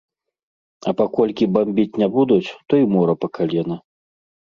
А паколькі бамбіць не будуць, то й мора па калена.